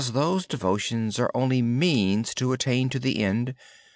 Those devotions are only means to attain to the end.